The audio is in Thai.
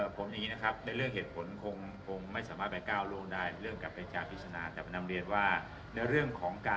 ไปฟ้องมาประมาณช่วงเอ่อปลายเดือน